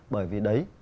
bởi vì đấy